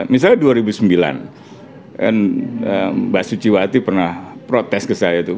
misalnya dua ribu sembilan kan mbak suciwati pernah protes ke saya itu